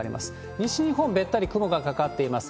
西日本、べったり雲がかかっています。